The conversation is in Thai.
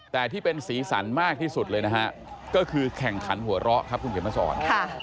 แต่ที่เป็นสีสันมากที่สุดเลยนะฮะก็คือแข่งขันหัวเราะครับคุณเขียนมาสอน